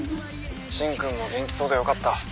芯君も元気そうでよかった。